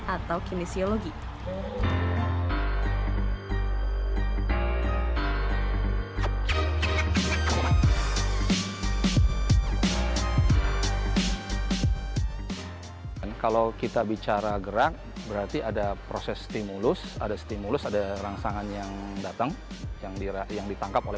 atau bergerak dengan alat htc vive